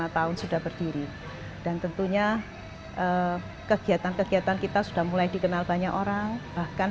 lima tahun sudah berdiri dan tentunya kegiatan kegiatan kita sudah mulai dikenal banyak orang bahkan